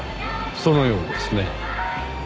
そのようですね。